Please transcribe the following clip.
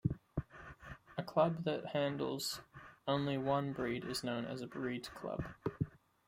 A club that handles only one breed is known as a breed club.